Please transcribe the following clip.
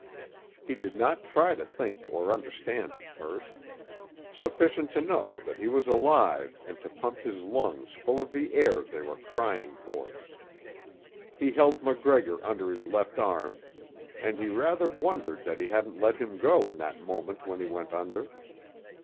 He did not try to think or understand at first. Sufficient to know that he was alive and to pump his lungs full of the air they were crying for. He held MacGregor under his left arm, and he rather wondered that he hadn't let him go in that moment when he went under.